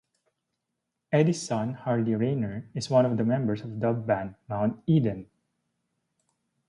Eddie's son Harley Rayner is one of the members of dub band Mount Eden.